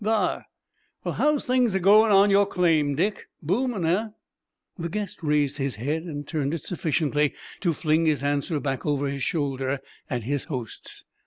Thar! Well, how's things agoin' on your claim, Dick? Boomin', eh?" The guest raised his head and turned it sufficiently to fling his answer back over his shoulder at his hosts.